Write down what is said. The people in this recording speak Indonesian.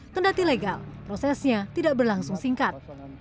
kendati legal prosesnya tidak berlangsung singkat